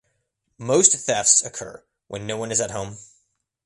Most thefts occur when no one is at home.